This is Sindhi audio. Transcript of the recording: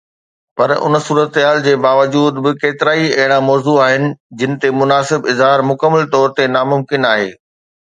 پر ان صورتحال جي باوجود به ڪيترائي اهڙا موضوع آهن جن تي مناسب اظهار مڪمل طور تي ناممڪن آهي.